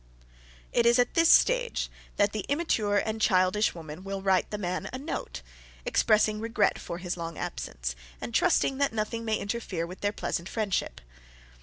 It is at this stage that the immature and childish woman will write the man a note, expressing regret for his long absence, and trusting that nothing may interfere with their "pleasant friendship."